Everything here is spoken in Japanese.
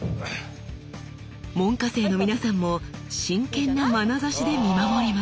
門下生の皆さんも真剣なまなざしで見守ります。